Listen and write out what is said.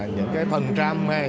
những cái phần trăm